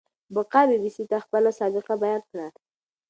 بکا بي بي سي ته خپله سابقه بيان کړه.